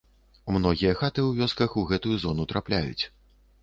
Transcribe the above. Многія хаты ў вёсках у гэтую зону трапляюць.